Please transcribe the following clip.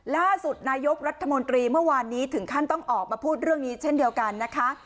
ล่าสุดนายกรัฐมนตรีเมื่อวานนี้ถึงขั้นต้องออกมาพูดเรื่องนี้เช่นเดียวกันนะคะ